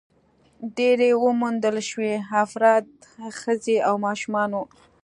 ډېری موندل شوي افراد ښځې او ماشومان وو.